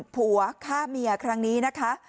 ผัวฆ่าเมียครั้งนี้นะคะ